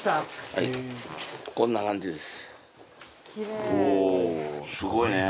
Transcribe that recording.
はいこんな感じです